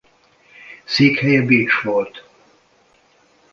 Székhelye Bécs volt.